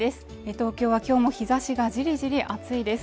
東京は今日も日差しがじりじり暑いです